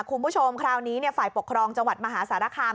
คุณผู้ชมคราวนี้ฝ่ายปกครองจังหวัดมหาสารคาม